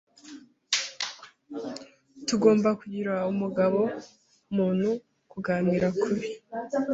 Tugomba kugira umugabo-muntu kuganira kuri ibi